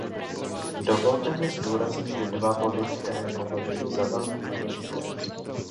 Dovolte mi zdůraznit dva body, které považuji za velmi důležité.